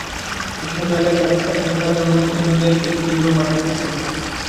কৃষ্ণদয়ালের তপস্যা ভাঙিবার জন্য ইন্দ্রদেব এ কী বিঘ্ন পাঠাইতেছেন!